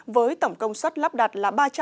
với tổng cộng đồng điện gió